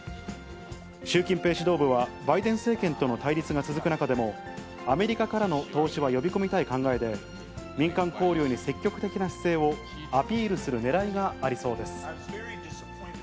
習近平指導部はバイデン政権との対立が続く中でも、アメリカからの投資は呼び込みたい考えで、民間交流に積極的な姿勢をアピールするねらいがありそうです。